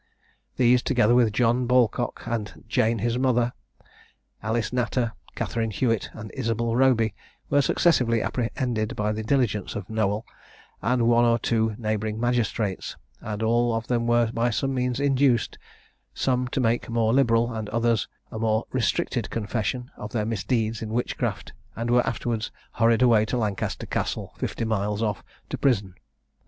These, together with John Balcock, and Jane his mother, Alice Natter, Catherine Hewitt, and Isabel Roby, were successively apprehended by the diligence of Nowel, and one or two neighbouring magistrates, and were all of them by some means induced, some to make a more liberal, and others a more restricted confession of their misdeeds in witchcraft, and were afterwards hurried away to Lancaster Castle, fifty miles off, to prison.